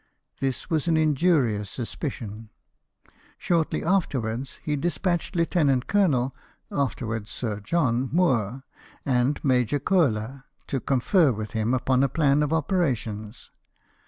This was an injurious suspicion. Shortly afterwards he despatched Lieu tenant Colonel (afterwards Sir John) Moore and Major Koehler to confer with him upon a plan of operations.